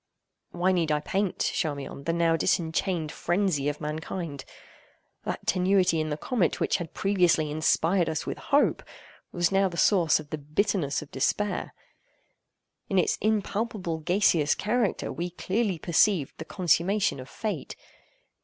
Why need I paint, Charmion, the now disenchained frenzy of mankind? That tenuity in the comet which had previously inspired us with hope, was now the source of the bitterness of despair. In its impalpable gaseous character we clearly perceived the consummation of Fate.